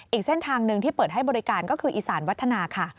อีกเส้นทางหนึ่งที่เปิดให้บริการก็คืออีสานวัฒนาค่ะ